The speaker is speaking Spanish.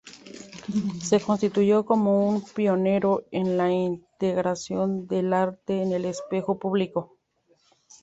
Se constituyó como un pionero en la integración del arte en el espacio público.